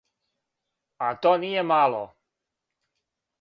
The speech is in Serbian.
А то није мало.